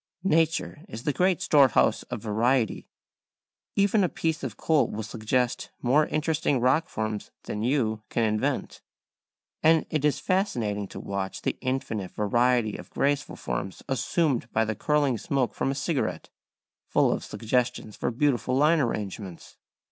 Nature is the great storehouse of variety; even a piece of coal will suggest more interesting rock forms than you can invent. And it is fascinating to watch the infinite variety of graceful forms assumed by the curling smoke from a cigarette, full of suggestions for beautiful line arrangements.